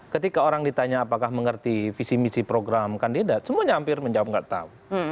ketika orang ditanya apakah mengerti visi misi program kandidat semuanya hampir menjawab nggak tahu